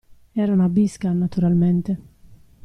Era una bisca, naturalmente.